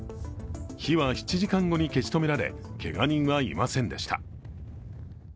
火は７時間後に消し止められ、けが人はいませんでした。